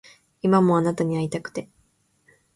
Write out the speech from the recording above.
今もあなたに逢いたくて